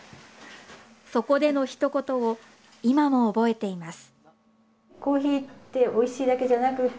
そこでのひと言を今も覚えています。